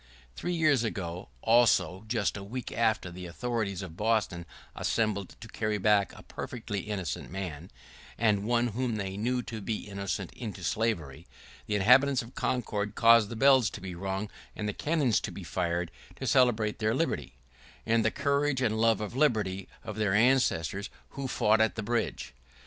[¶11] Three years ago, also, just a week after the authorities of Boston assembled to carry back a perfectly innocent man, and one whom they knew to be innocent, into slavery, the inhabitants of Concord caused the bells to be rung and the cannons to be fired, to celebrate their liberty — and the courage and love of liberty of their ancestors who fought at the bridge.